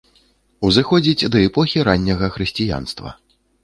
Узыходзіць да эпохі ранняга хрысціянства.